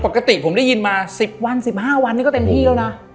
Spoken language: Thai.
ปกติผมได้ยินมา๑๐วัน๑๕วันนี้ก็เต็มที่แล้วนะ